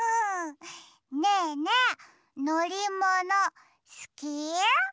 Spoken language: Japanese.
ねえねえのりものすき？